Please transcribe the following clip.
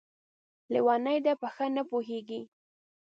لېونۍ ده ، په ښه نه پوهېږي!